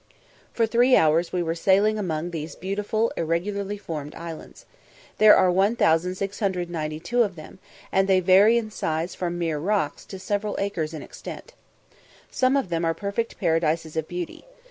For three hours we were sailing among these beautiful irregularly formed islands. There are 1692 of them, and they vary in size from mere rocks to several acres in extent. Some of them are perfect paradises of beauty.